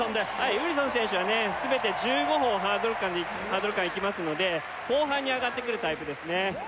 ウィルソン選手は全て１５歩ハードル間いきますので後半に上がってくるタイプですね